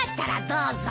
どうぞ。